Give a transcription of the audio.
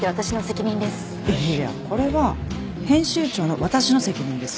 いやいやこれは編集長の私の責任です。